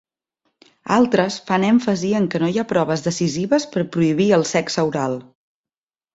Altres fan èmfasi que no hi ha proves decisives per prohibir el sexe oral.